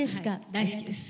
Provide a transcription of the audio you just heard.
大好きです。